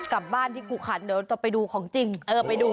เอาตังมาเดี๋ยวก็ซื้อมาให้